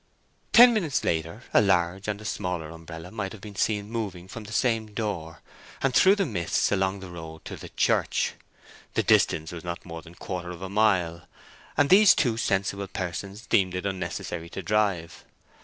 Ten minutes later a large and a smaller umbrella might have been seen moving from the same door, and through the mist along the road to the church. The distance was not more than a quarter of a mile, and these two sensible persons deemed it unnecessary to drive.